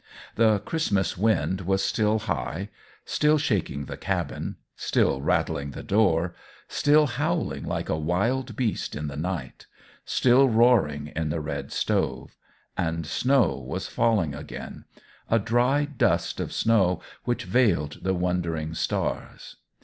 The Christmas wind was still high, still shaking the cabin, still rattling the door, still howling like a wild beast in the night, still roaring in the red stove; and snow was falling again a dry dust of snow which veiled the wondering stars.